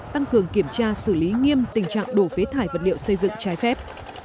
tăng cường kiểm tra xử lý nghiêm tình trạng đổ phế thải vật liệu xây dựng trái phép